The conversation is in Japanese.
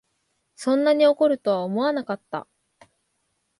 そんなに怒るとは思わなかった